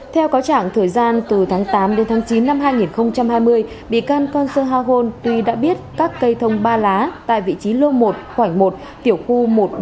theo cáo chẳng thời gian từ tháng tám đến tháng chín năm hai nghìn hai mươi bịa can con sơ ha khôn tuy đã biết các cây thông ba lá tại vị trí lô một quảnh một tiểu khu một ba mươi hai